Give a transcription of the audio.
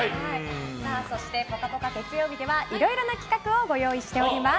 そして「ぽかぽか」月曜日ではいろいろな企画をご用意しております。